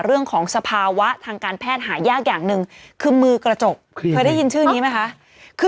เรื่องของสภาวะทางการแพทย์หายากอย่างนึงคือมือกระจก